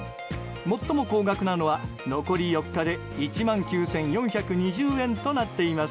最も高額なのは残り４日で１万９４２０円となっています。